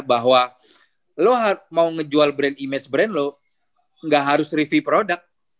bahwa lo mau ngejual brand image brand lo gak harus review produk